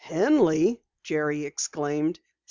"Henley!" Jerry exclaimed.